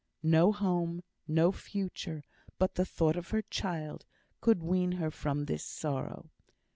No home, no future, but the thought of her child, could wean her from this sorrow.